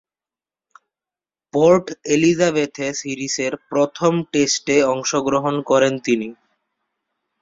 Port এলিজাবেথে সিরিজের প্রথম টেস্টে অংশগ্রহণ করেন তিনি।